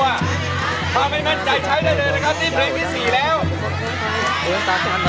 ถ้าไม่มั่นใจใช้ได้เลยนังนั้นครับ